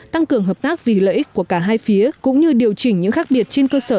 tăng cường hợp tác vì lợi ích của cả hai phía cũng như điều chỉnh những khác biệt trên cơ sở